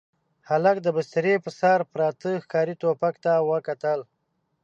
هلک د بسترې پر سر پراته ښکاري ټوپک ته وکتل.